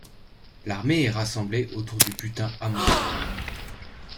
L’armée est rassemblée autour du butin amoncelé.